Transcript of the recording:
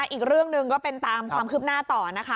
อีกเรื่องหนึ่งก็เป็นตามความคืบหน้าต่อนะคะ